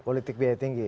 politik biaya tinggi